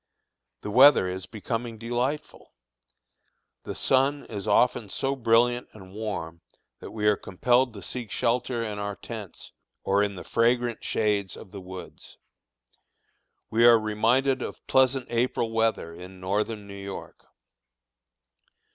The weather is becoming delightful. The sun is often so brilliant and warm that we are compelled to seek shelter in our tents or in the fragrant shades of the woods. We are reminded of pleasant April weather in Northern New York.